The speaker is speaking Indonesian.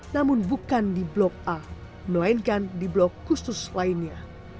namun bukan di blok a melainkan di blok khusus lainnya